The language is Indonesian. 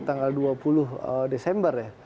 tanggal dua puluh desember ya